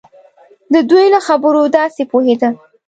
د دوی له خبرو داسې پوهېده.